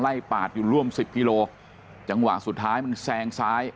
ปาดอยู่ร่วมสิบกิโลจังหวะสุดท้ายมันแซงซ้าย